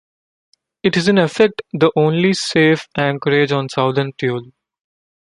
It is in effect the only safe anchorage on Southern Thule.